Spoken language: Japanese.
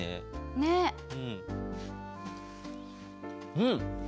うん！